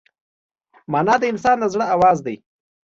مانا د انسان د زړه آواز دی.